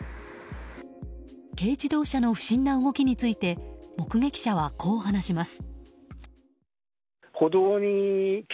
軽自動車の不審な動きについて目撃者は、こう話します。